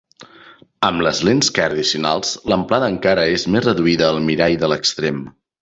Amb les lents Kerr addicionals, l'amplada encara és més reduïda al mirall de l'extrem.